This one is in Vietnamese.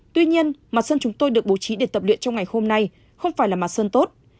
tuy nhiên mặt sân chúng tôi được bố trí để tập luyện trong ngày hôm nay không phải là mặt sơn tốt